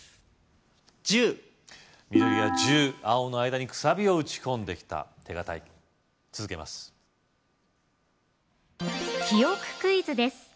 １０緑が１０青の間にくさびを打ち込んできた手堅い続けます記憶クイズです